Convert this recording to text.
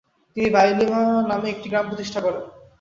তিনি ভাইলিমা নামে একটি গ্রাম প্রতিষ্ঠা করেন।